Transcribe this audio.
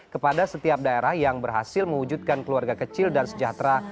kepada setiap daerah yang berhasil mewujudkan keluarga kecil dan sejahtera